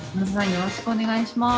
よろしくお願いします。